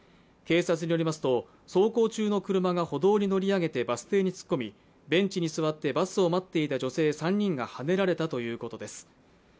警察によりますと走行中の車が歩道に乗り上げてバス停に突っ込み、ベンチに座ってバスを待っていた女性３人がはねられたということです。